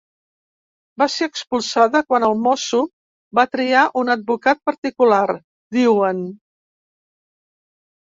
“Va ser expulsada quan el mosso va triar un advocat particular”, diuen.